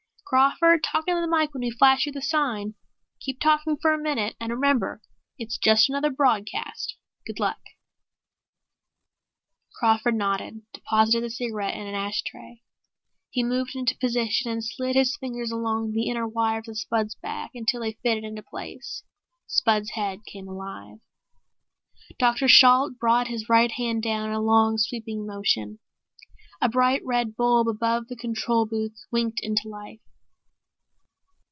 "Crawford, talk into the mike when we flash you the sign. Keep talking for a minute. And remember it's just another broadcast. Good luck." Crawford nodded, deposited the cigarette in an ashtray. He moved into position and slid his fingers along the inner wires of Spud's back until they fitted into place. Spud's head came alive. Dr. Shalt brought his right hand down in a long, sweeping motion. A bright red bulb above the control booth winked into life.